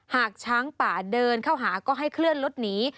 หากช้างป่าเดินเข้าหาก็ให้เคลื่อนรถหนี